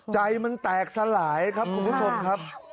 ใจมันแตกสลายครับคุณผู้ชมครับ